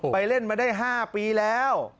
เล่นมาได้๕ปีแล้ว